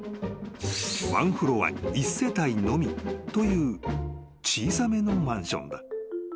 ［ワンフロアに一世帯のみという小さめのマンションだ］